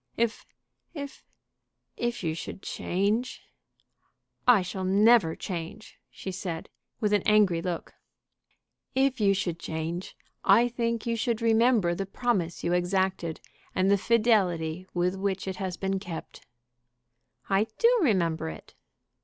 "If if if you should change " "I shall never change!" she said, with an angry look. "If you should change, I think you should remember the promise you exacted and the fidelity with which it has been kept." "I do remember it."